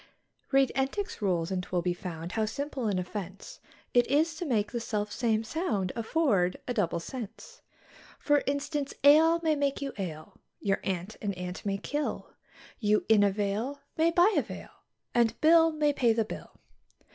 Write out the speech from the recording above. Read Entick's rules, and 'twill be found, how simple an offence It is to make the self same sound afford a double sense. For instance, ale may make you ail, your aunt an ant may kill, You in a vale may buy a veil and Bill may pay the bill.